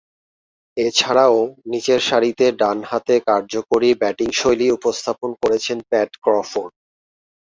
এছাড়াও, নিচেরসারিতে ডানহাতে কার্যকরী ব্যাটিংশৈলী উপস্থাপন করেছেন প্যাট ক্রফোর্ড।